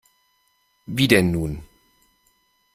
Wie denn nun?